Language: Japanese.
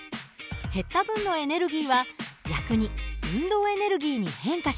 減った分のエネルギーは逆に運動エネルギーに変化します。